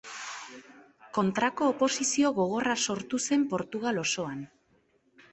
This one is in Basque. Kontrako oposizio gogorra sortu zen Portugal osoan.